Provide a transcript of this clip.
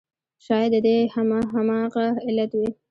شاید د دې هم همغه علت وي.